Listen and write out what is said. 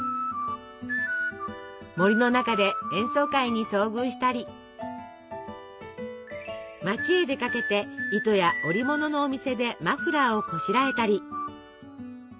森の中で演奏会に遭遇したり町へ出かけて糸や織物のお店でマフラーをこしらえたり。